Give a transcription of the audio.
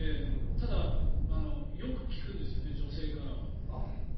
ただ、よく聞くんですよね女性からは。